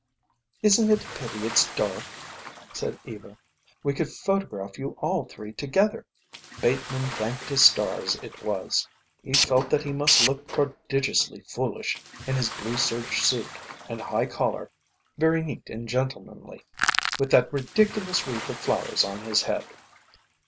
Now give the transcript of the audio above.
"Isn't it a pity it's dark?" said Eva. "We could photograph you all three together." Bateman thanked his stars it was. He felt that he must look prodigiously foolish in his blue serge suit and high collar very neat and gentlemanly with that ridiculous wreath of flowers on his head.